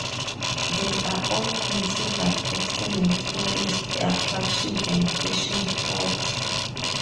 They are all considered excellent tourist attractions and fishing spots.